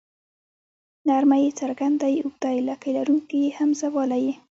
نرمه ی څرګنده ي اوږده ې لکۍ لرونکې ۍ همزه واله ئ